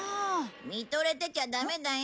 見とれてちゃダメだよ。